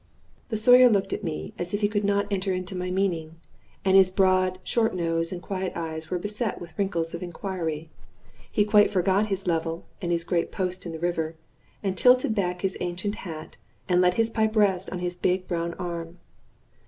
The Sawyer looked at me as if he could not enter into my meaning, and his broad, short nose and quiet eyes were beset with wrinkles of inquiry. He quite forgot his level and his great post in the river, and tilted back his ancient hat, and let his pipe rest on his big brown arm.